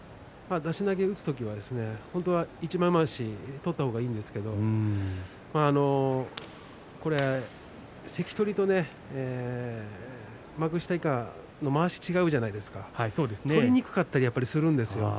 出し投げを打つ時には本当は一枚まわしを取った方がいいんですけれどもこれは関取と幕下以下まわしが違うじゃないですか取りにくかったりやっぱりするんですよね。